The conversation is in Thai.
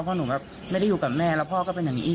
เพราะหนูแบบไม่ได้อยู่กับแม่แล้วพ่อก็เป็นอย่างนี้อีก